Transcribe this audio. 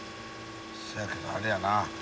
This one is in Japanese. そやけどあれやな。